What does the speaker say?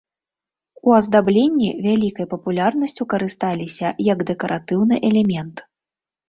У аздабленні вялікай папулярнасцю карысталіся як дэкаратыўны элемент.